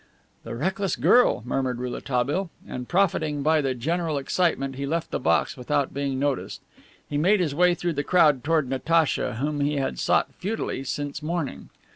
"The reckless girl," murmured Rouletabille, and, profiting by the general excitement, he left the box without being noticed. He made his way through the crowd toward Natacha, whom he had sought futilely since morning.